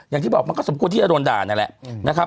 อย่างที่บอกมันก็สมควรที่จะโดนด่าเนี่ยแหละ